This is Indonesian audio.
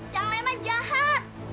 cang memang jahat